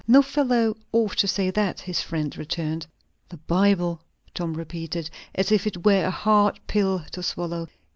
"No fellow ought to say that," his friend returned. "The Bible!" Tom repeated, as if it were a hard pill to swallow.